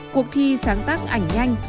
cuộc thi sáng tác ảnh nhanh